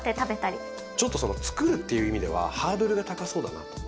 ちょっとそのつくるっていう意味ではハードルが高そうだなと。